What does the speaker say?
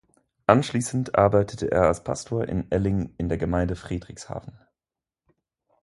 Anschließend arbeitete er als Pastor in Elling in der Gemeinde Frederikshavn.